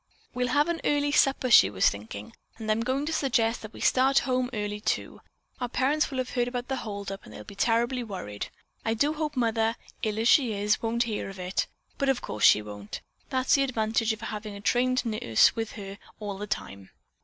"We'll have an early supper," she was thinking, "and I'm going to suggest that we start home early, too. Our parents will have heard about the holdup and they'll be terribly worried. I do hope Mother, ill as she is, won't hear of it, but of course she won't. That's the advantage of having a trained nurse with her all the time."